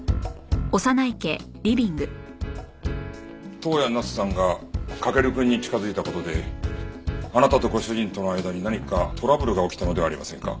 登矢奈津さんが翔くんに近づいた事であなたとご主人との間に何かトラブルが起きたのではありませんか？